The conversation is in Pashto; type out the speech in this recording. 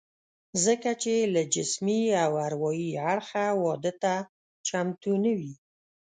ځکه چې له جسمي او اروايي اړخه واده ته چمتو نه وي